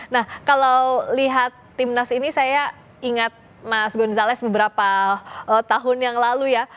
nah kalau lihat timnas ini saya ingat mas gonzalez beberapa tahun yang lalu ya